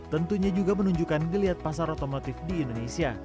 tentunya juga menunjukkan geliat pasar otomotif di indonesia